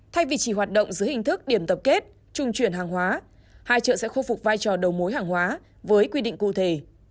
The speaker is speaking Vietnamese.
thay vì chỉ hoạt động dưới hình thức điểm tập kết trung chuyển hàng hóa hai chợ sẽ khôi phục vai trò đầu mối hàng hóa với quy định cụ thể